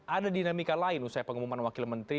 ada dinamika lain usai pengumuman wakil menteri